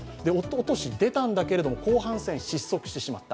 おととし出たんだけども、後半戦失速してしまった。